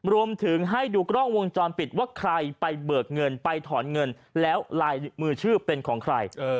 รวมถึงให้ดูกล้องวงจรปิดว่าใครไปเบิกเงินไปถอนเงินแล้วลายมือชื่อเป็นของใคร